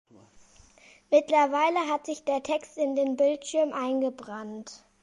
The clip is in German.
Mittlerweile hat sich der Text in den Bildschirm eingebrannt.